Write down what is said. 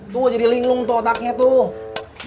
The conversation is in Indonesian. tuh gue jadi linglung tuh otaknya tuh